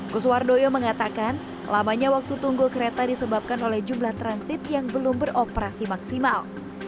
kuswardoyo mengatakan lamanya waktu tunggu kereta disebabkan oleh jumlah transit yang belum beroperasi maksimal